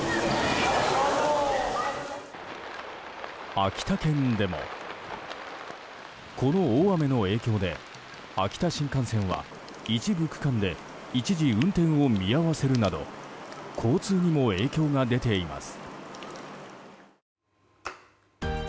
秋田県でも、この大雨の影響で秋田新幹線は一部区間で一時運転を見合わせるなど交通にも影響が出ています。